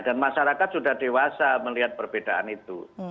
masyarakat sudah dewasa melihat perbedaan itu